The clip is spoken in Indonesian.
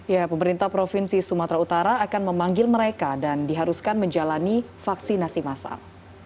ya pemerintah provinsi sumatera utara akan memanggil mereka dan diharuskan menjalani vaksinasi masal